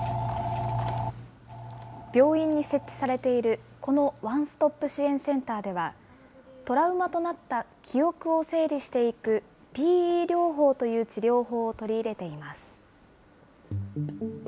病院に設置されているこのワンストップ支援センターでは、トラウマとなった記憶を整理していくＰＥ療法という治療法を取り入れています。